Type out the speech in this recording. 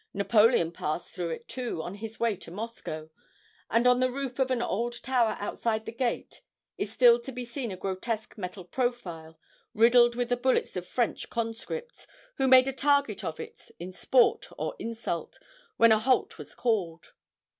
Napoleon passed through it, too, on his way to Moscow, and on the roof of an old tower outside the gate is still to be seen a grotesque metal profile, riddled with the bullets of French conscripts, who made a target of it in sport or insult, when a halt was called.